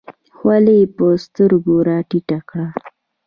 خولۍ یې په سترګو راټیټه کړه.